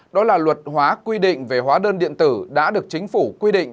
đó là luật hóa quy định về hóa đơn điện tử đã được chính phủ quy định